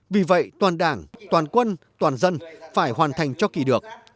vì vậy toàn đảng toàn quân toàn dân phải hoàn thành cho kỳ được